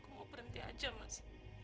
mau berhenti aja mas